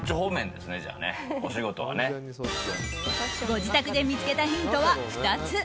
ご自宅で見つけたヒントは２つ。